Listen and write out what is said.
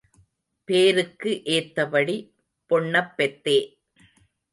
பேருக்கு ஏத்தபடி பொண்ணப் பெத்தே.